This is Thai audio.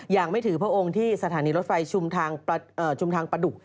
อย่างไม่ถือพระองค์ที่สถานีรถไฟชุมทางประดุก